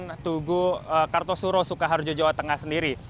tigaan tugu kartosuro sukoharjo jawa tengah sendiri